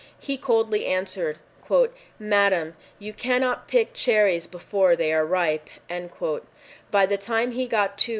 He coldly answered, "Madam, you cannot pick cherries before they are ripe." By the time he got to.